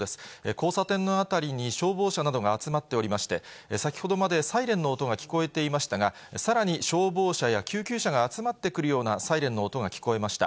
交差点の辺りに消防車などが集まっておりまして、先ほどまでサイレンの音が聞こえていましたが、さらに消防車や救急車が集まってくるようなサイレンの音が聞こえました。